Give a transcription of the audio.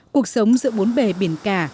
cuộc sống giữa bốn bề biển cả